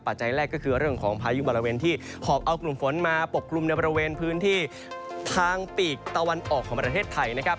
จัยแรกก็คือเรื่องของพายุบริเวณที่หอบเอากลุ่มฝนมาปกกลุ่มในบริเวณพื้นที่ทางปีกตะวันออกของประเทศไทยนะครับ